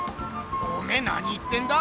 おめえ何言ってんだ？